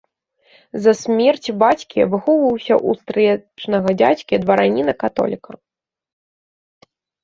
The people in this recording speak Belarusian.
З-за смерці бацькі выхоўваўся ў стрыечнага дзядзькі, двараніна-католіка.